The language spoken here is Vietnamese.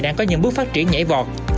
đang có những bước phát triển nhảy vọt